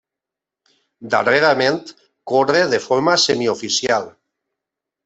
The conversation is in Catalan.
Darrerament corre de forma semioficial.